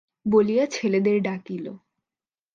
বলিয়া ছেলেদের ডাকিল।